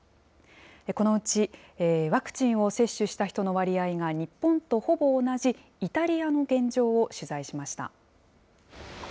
このうち、ワクチンを接種した人の割合が日本とほぼ同じイタリアの現状を取材しました。